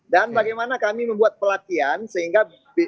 dan bagaimana kami membuat pelatihan sehingga